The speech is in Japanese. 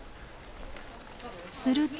すると。